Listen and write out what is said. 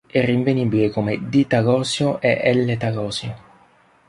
È rinvenibile come "D-talosio" e "L-talosio".